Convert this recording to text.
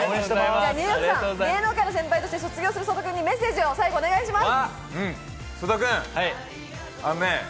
ニューヨークさん、芸能界の先輩として卒業する曽田君にメッセージをお願いします。